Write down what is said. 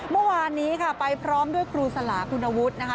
เมื่อวานนี้ค่ะไปพร้อมด้วยครูสลาคุณวุฒินะคะ